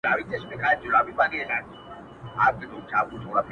o پر زړه مي راځي، پر خوله مي نه راځي٫